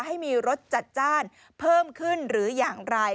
ให้มีรสจัดจ้านเพิ่มขึ้นหรืออย่างไร